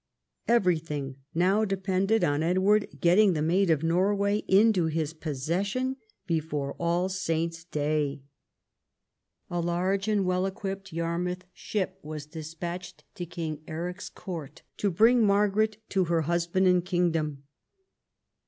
Everything now depended on Edward getting the Maid of Norway into his possession before All Saints' Day. A large and well equipped Yarmouth ship was despatched to King Eric's court to bring Margaret to her husband and kingdom.